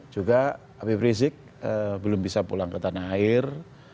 juga habib rizik belum bisa pulang ke tanah air